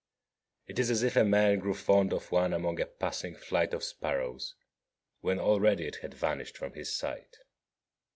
It is as if a man grew fond of one among a passing flight of sparrows, when already it had vanished from his sight.